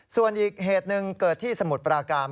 ส่วนอีกเหตุหนึ่งเกิดที่สมุทรปราการ